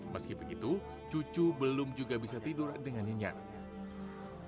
meski begitu cucu belum juga bisa tidur dengan nyenyak